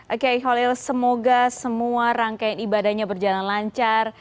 oke khalil semoga semua rangkaian ibadahnya berjalan lancar